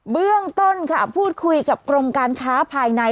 เบื้องต้นค่ะพูดคุยกับกรมการค้าภายใน